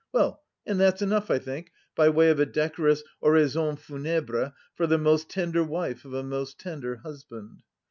Well, and that's enough, I think, by way of a decorous oraison funèbre for the most tender wife of a most tender husband.